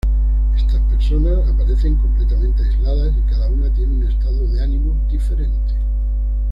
Estas personas aparecen completamente aisladas, y cada una tiene un estado de ánimo diferente.